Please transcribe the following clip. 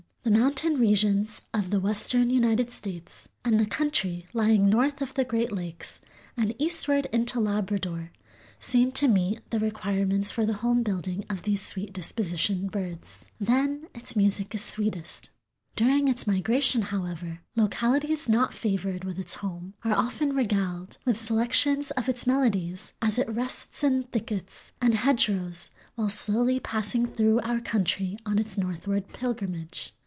The mountain regions of the western United States and the country lying north of the great lakes and eastward into Labrador seem to meet the requirements for the home building of these sweet dispositioned birds. Then its music is sweetest. During its migration, however, localities not favored with its home are often regaled "with selections of its melodies as it rests in thickets and hedgerows while slowly passing through our country on its northward pilgrimage."